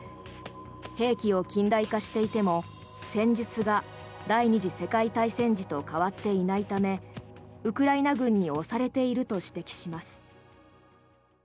兵器を近代化していても戦術が第２次世界大戦時と変わっていないためウクライナ軍に押されていると指摘します。